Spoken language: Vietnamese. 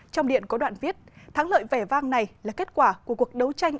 trong điện có đoạn viết thắng lợi vẻ vang này là kết quả của cuộc đấu tranh